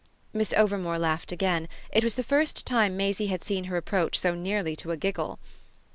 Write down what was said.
Miss Overmore laughed again; it was the first time Maisie had seen her approach so nearly to a giggle.